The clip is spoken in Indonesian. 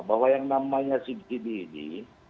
bahwa yang namanya subsidi ini